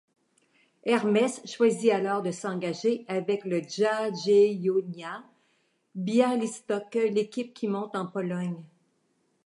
Hermes choisit alors de s'engager avec le Jagiellonia Białystok, l'équipe qui monte en Pologne.